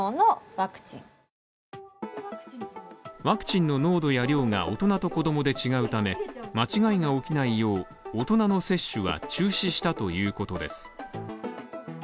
ワクチンの濃度や量が大人と子供で違うため、間違いが起きないよう、大人の接種は中止したということです。